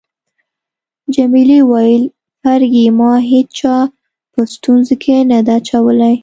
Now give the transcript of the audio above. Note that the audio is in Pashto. جميلې وويل: فرګي، ما هیچا په ستونزو کي نه ده اچولی.